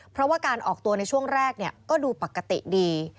เพราะว่าการออกตัวในช่วงแรกก็ดูปกติดี